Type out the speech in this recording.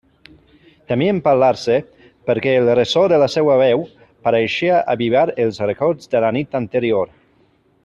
Temien parlar-se, perquè el ressò de la seua veu pareixia avivar els records de la nit anterior.